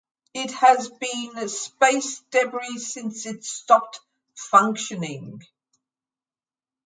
It has been space debris since it stopped functioning.